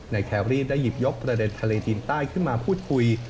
แครรี่ได้หยิบยกประเด็นทะเลจีนใต้ขึ้นมาพูดคุย